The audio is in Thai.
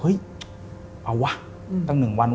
เฮ้ยเอาวะตั้งหนึ่งวัน